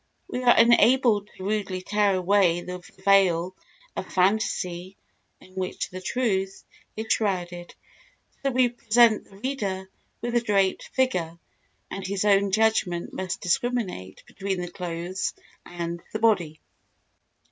We are unable to rudely tear away the veil of phantasy in which the truth is shrouded, so we present the reader with a draped figure, and his own judgment must discriminate between the clothes and the body.